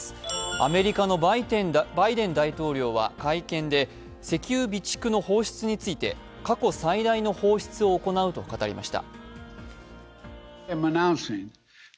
アメリカのバイデン大統領は会見で石油備蓄の放出について過去最大の放出を行うと語りました。